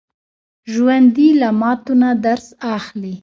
ژوندي له ماتو نه درس اخلي